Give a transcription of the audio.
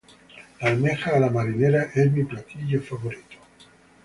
La almeja a la marinera es mi platillo favorito.